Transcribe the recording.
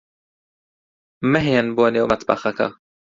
مەھێن بۆ نێو مەتبەخەکە.